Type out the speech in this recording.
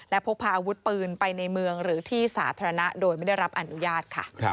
และพกพาอาวุธปืนไปในเมืองหรือที่สาธารณะโดยไม่ได้รับอนุญาตค่ะ